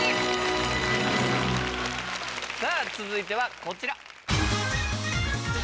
さぁ続いてはこちら。